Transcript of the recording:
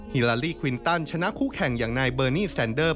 ฮาลาลีควินตันชนะคู่แข่งอย่างนายเบอร์นี่แซนเดอร์